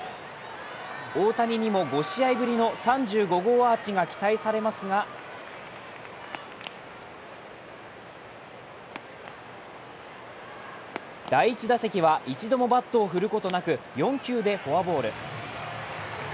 大谷にも５試合ぶりの３５号アーチが期待されますが第１打席は一度もバットを振ることなく４球でフォアボール。